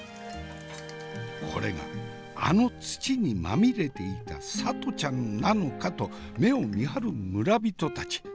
これがあの土にまみれていた里ちゃんなのかと目をみはる村人たち。